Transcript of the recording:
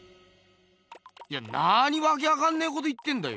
いやなにわけわかんねえこと言ってんだよ。